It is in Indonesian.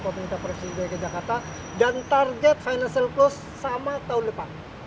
pemerintah presiden dki jakarta dan target financial close sama tahun depan